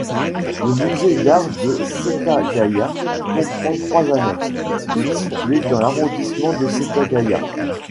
Le musée d'art de Setagaya comprend trois annexes, toutes situées dans l'arrondissement de Setagaya.